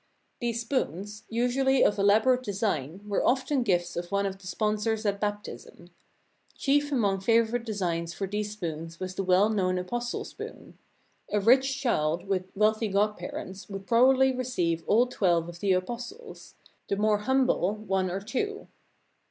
These spoons, usually of elaborate de sign, were often gifts of one of the spon sors at baptism. Chief among favorite designs for these spoons was the well known Apostle spoon. A rich child with wealthy godparents would probably receive all twelve of the Apostles; the more hum ble, one or two.